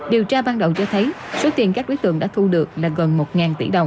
điều tra ban đầu cho thấy số tiền các đối tượng đã thu được là gần một tỷ đồng